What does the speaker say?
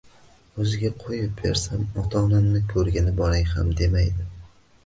Oʻziga qoʻyib bersam, ota-onamni koʻrgani boray ham demaydi